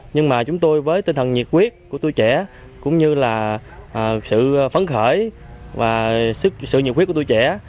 nhưng mà chúng tôi với tinh thần nhiệt quyết của tuổi trẻ cũng như là sự phấn khởi và sự nhiệt quyết của tuổi trẻ